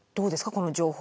この情報。